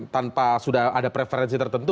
tanpa sudah ada preferensi tertentu